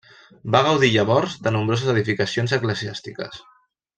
Va gaudir llavors de nombroses edificacions eclesiàstiques.